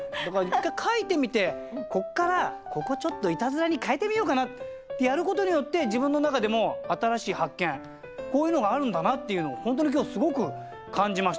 一回書いてみてここからここちょっといたずらに変えてみようかなってやることによって自分の中でも新しい発見こういうのがあるんだなっていうのを本当に今日すごく感じましたね。